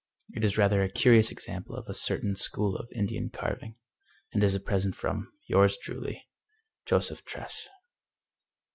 It is rather a curious example of a certain school of Indian carving. And is a present from "Yours truly, Joseph Tress."